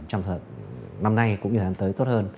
trong năm nay cũng như năm tới tốt hơn